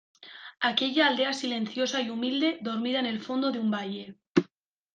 aquella aldea silenciosa y humilde, dormida en el fondo de un valle